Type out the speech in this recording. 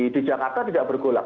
di jakarta tidak bergolak